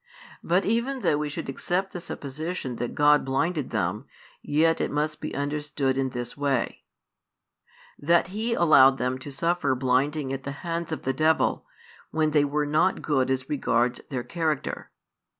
But even though we should accept the supposition that God blinded them, yet it must be understood in this way; that He allowed them to suffer blinding at the hands of the devil, when they were not good as regards their character.